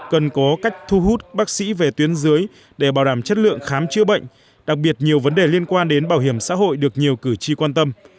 cần có cách thu hút bác sĩ về tuyến dưới để bảo đảm chất lượng khám chữa bệnh đặc biệt nhiều vấn đề liên quan đến bảo hiểm xã hội được nhiều cử tri quan tâm